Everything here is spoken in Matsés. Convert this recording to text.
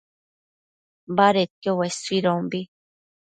badedquio uesuidombi